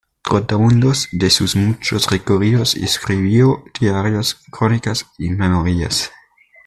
Trotamundos, de sus muchos recorridos escribió diarios, crónicas y memorias.